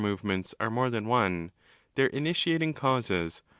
movements are more than one, their initiating causes?